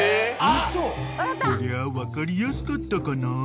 ［こりゃ分かりやすかったかな］